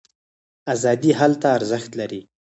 ازادي هلته ارزښت لري.